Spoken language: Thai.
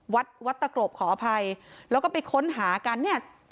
วัดตะกรบขออภัย